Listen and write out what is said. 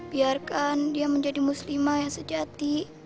biarkan dia menjadi muslimah yang sejati